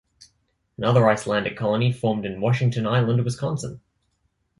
Another Icelandic colony formed in Washington Island, Wisconsin.